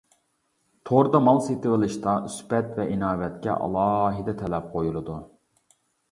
توردا مال سېتىۋېلىشتا سۈپەت ۋە ئىناۋەتكە ئالاھىدە تەلەپ قويۇلىدۇ.